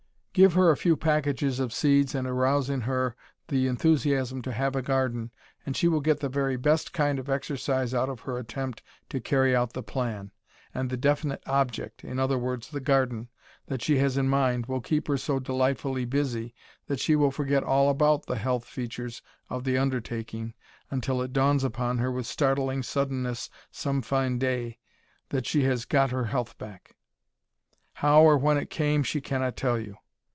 Give her a few packages of seeds and arouse in her the enthusiasm to have a garden and she will get the very best kind of exercise out of her attempt to carry out the plan, and the "definite object" in other words, the garden that she has in mind will keep her so delightfully busy that she will forget all about the health features of the undertaking until it dawns upon her with startling suddenness some fine day that she "has got her health back." How or when it came she cannot tell you.